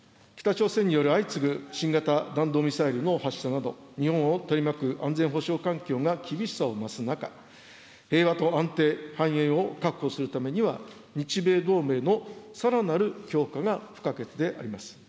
北朝鮮による相次ぐ新型弾道ミサイルの発射など、日本を取り巻く安全保障環境が厳しさを増す中、平和と安定、繁栄を確保するためには、日米同盟のさらなる強化が不可欠であります。